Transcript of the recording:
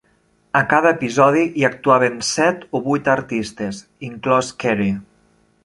A cada episodi hi actuaven set o vuit artistes, inclòs Carey.